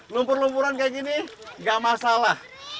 lumpur lumpuran kayak gini gak masalah